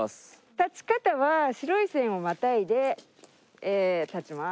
立ち方は白い線をまたいで立ちます。